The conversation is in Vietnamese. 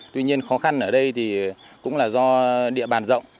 tuy nhiên khó khăn ở đây thì cũng là do địa bàn rộng